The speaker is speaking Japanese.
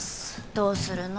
どうするの？